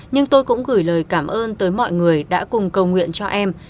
nhưng tôi cũng gửi lời cảm ơn tới mọi người đã cùng cầu nguyện cho em